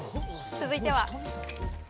続いては。